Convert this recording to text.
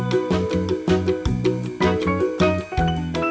สวัสดีครับ